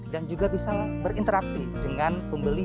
dan juga bisa berinteraksi dengan pembeli yang lain